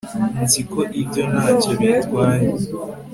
Nzi ko ibyo ntacyo bitwaye